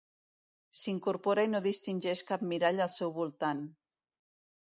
S'incorpora i no distingeix cap mirall al seu voltant.